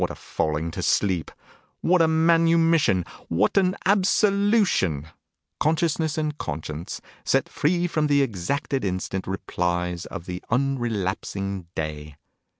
What a falling to sleep! What a manumission, what an absolution! Consciousness and conscience set free from the exacted instant replies of the unrelapsing day.